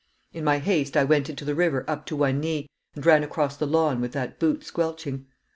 In my haste I went into the river up to one knee, and ran across the lawn with that boot squelching.